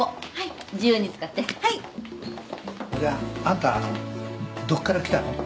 あんたどっから来たの？